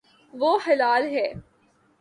وہ ہلال ہے